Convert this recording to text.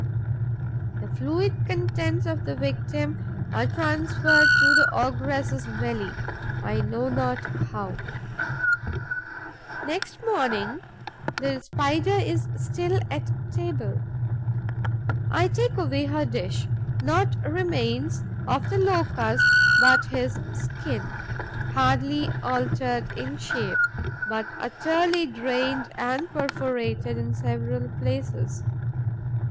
The fluid contents of the victim are transferred to the ogress' belly, I know not how. Next morning, the Spider is still at table. I take away her dish. Naught remains of the Locust but his skin, hardly altered in shape, but utterly drained and perforated in several places.